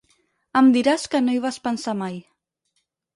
Em diràs que no hi vas pensar mai.